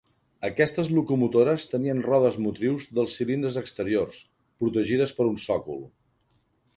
Aquestes locomotores tenien rodes motrius dels cilindres exteriors, protegides per un sòcol.